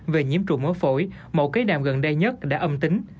về nhiễm trụ mối phổi mẫu cây đàm gần đây nhất đã âm tính